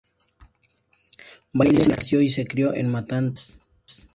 Bailey nació y se crió en Manhattan, Kansas.